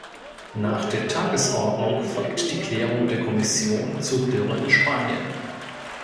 Nach der Tagesordnung folgt die Erklärung der Kommission zur Dürre in Spanien.